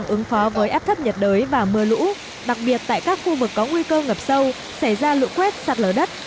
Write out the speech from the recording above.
ứng phó với áp thấp nhiệt đới và mưa lũ đặc biệt tại các khu vực có nguy cơ ngập sâu xảy ra lụ quét sạt lở đất